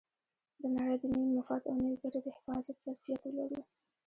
د نړۍ د نوي مفاد او نوې ګټې د حفاظت ظرفیت ولرو.